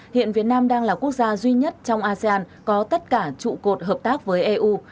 hiện việt nam đang là quốc gia duy nhất trong asean có tất cả trụ cột hợp tác với eu